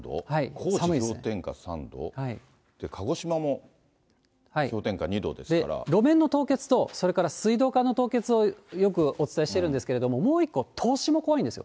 高知氷点下３度、鹿児島も氷点下路面の凍結とそれから水道管の凍結をよくお伝えしてるんですけれども、もう一個、凍死も怖いんですよ。